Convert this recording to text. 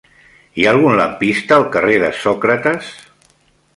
Hi ha algun lampista al carrer de Sòcrates?